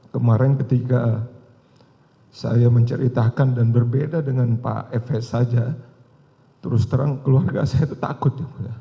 kemarin ketika saya menceritakan dan berbeda dengan pak fs saja terus terang keluarga saya itu takut